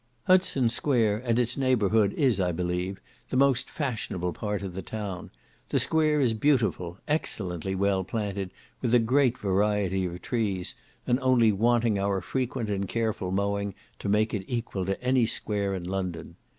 Hudson Square and its neighbourhood is, I believe, the most fashionable part of the town; the square is beautiful, excellently well planted with a great variety of trees, and only wanting our frequent and careful mowing to make it equal to any square in London.